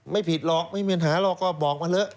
ไม่ผิดหรอกไม่มีปัญหาหรอกก็บอกมาเถอะ